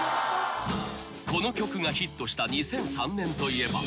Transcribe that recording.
［この曲がヒットした２００３年といえば］